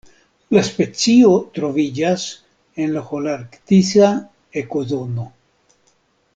La specio troviĝas en la holarktisa ekozono.